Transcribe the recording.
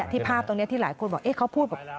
ภาพตรงนี้ที่หลายคนบอกเขาพูดแบบ